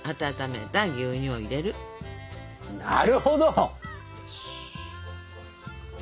なるほど！